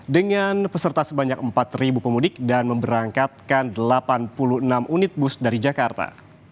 dengan peserta sebanyak empat pemudik dan memberangkatkan delapan puluh enam unit bus dari jakarta